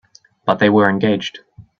But they were engaged.